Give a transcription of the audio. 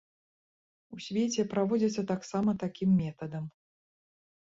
У свеце праводзіцца таксама такім метадам.